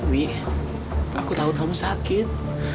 wih aku tahu kamu sakit